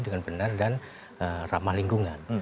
dengan benar dan ramah lingkungan